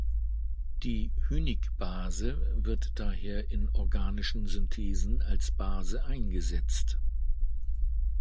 Die Hünig-Base wird daher in organischen Synthesen als Base eingesetzt.